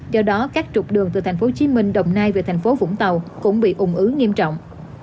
do đó các trục đường từ thành phố hồ chí minh đồng nay về thành phố vũng tàu cũng bị ủng ứ nghiêm trọng